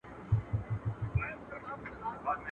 خوار سړى، ابلک ئې سپى.